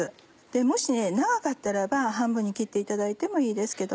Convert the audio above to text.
もし長かったら半分に切っていただいてもいいですけど。